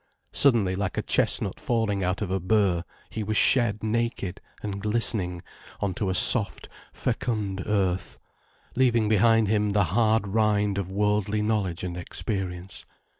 Suddenly, like a chestnut falling out of a burr, he was shed naked and glistening on to a soft, fecund earth, leaving behind him the hard rind of worldly knowledge and experience.